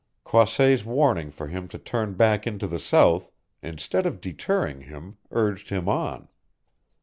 Croisset's warning for him to turn back into the South, instead of deterring him, urged him on.